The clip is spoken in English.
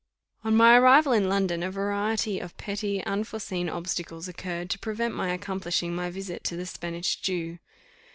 On my arrival in London, a variety of petty unforeseen obstacles occurred to prevent my accomplishing my visit to the Spanish Jew.